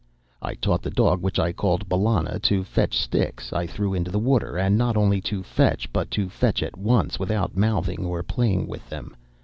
I taught the dog, which I called "Bellona," to fetch sticks I threw into the water, and not only to fetch, but to fetch at once, without mouthing or playing with them.